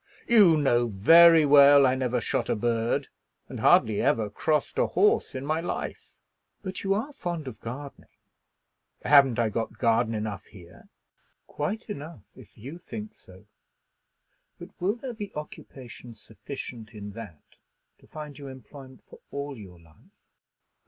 "You know very well I never shot a bird, and hardly ever crossed a horse in my life." "But you are fond of gardening." "Haven't I got garden enough here?" "Quite enough, if you think so; but will there be occupation sufficient in that to find you employment for all your life?"